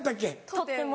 「とっても」。